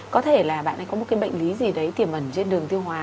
có thể là bạn ấy có một cái bệnh lý gì đấy tiềm ẩn trên đường tiêu hóa